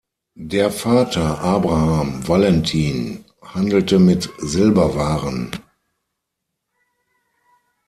Der Vater Abraham Valentin handelte mit Silberwaren.